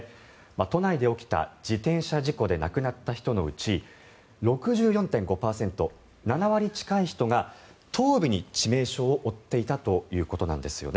都内で起きた自転車事故で亡くなった人のうち６４．５％、７割近い人が頭部に致命傷を負っていたということです。